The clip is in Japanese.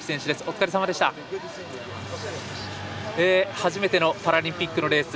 初めてのパラリンピックのレース